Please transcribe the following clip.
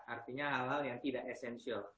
artinya hal hal yang tidak esensial